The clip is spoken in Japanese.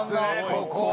ここは。